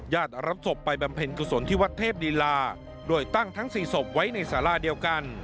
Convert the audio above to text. รับศพไปบำเพ็ญกุศลที่วัดเทพลีลาโดยตั้งทั้งสี่ศพไว้ในสาราเดียวกัน